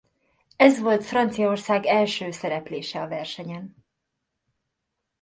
Ez volt Franciaország első szereplése a versenyen.